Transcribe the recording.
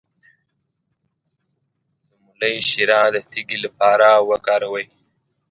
د مولی شیره د تیږې لپاره وکاروئ